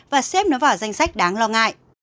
và xếp nó vào danh sách đáng lo ngại